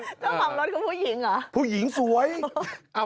ต้องกลับรถกับผู้หญิงเหรอผู้หญิงสวยอ่า